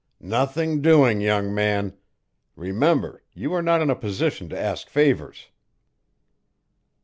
"Nothing doing, young man. Remember, you are not in a position to ask favours."